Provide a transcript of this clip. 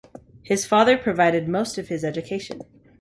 His father provided most of his education.